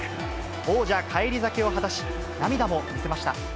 王者返り咲きを果たし、涙も見せました。